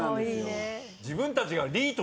自分たちが。